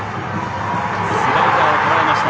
スライダーをとらえました。